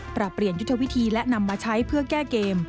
ปรับเปลี่ยนยุทธวิธีและนำมาใช้เพื่อแก้เกม